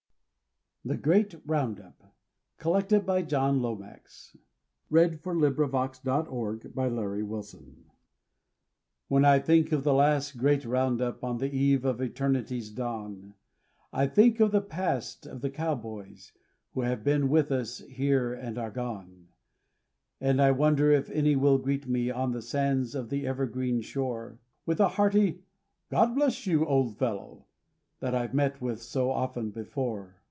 they drink from my favorite bottle The health of Old Rosin the Bow. THE GREAT ROUND UP When I think of the last great round up On the eve of eternity's dawn, I think of the past of the cowboys Who have been with us here and are gone. And I wonder if any will greet me On the sands of the evergreen shore With a hearty, "God bless you, old fellow," That I've met with so often before.